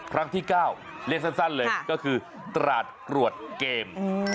ครั้งที่๙เรียกสั้นเลยก็คือตราดกรวดเกม